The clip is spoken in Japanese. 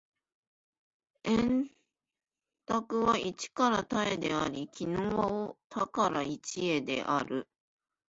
演繹は一から多へであり、帰納は多から一へである。